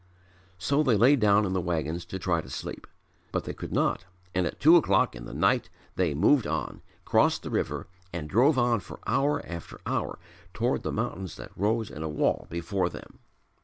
So they lay down in the wagons to try to sleep. But they could not and at two o'clock in the night they moved on, crossed the river and drove on for hour after hour toward the mountains that rose in a wall before them.